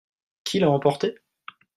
Qui l'a emporté ?